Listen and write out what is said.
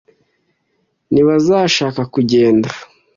ntibazashaka kugenda.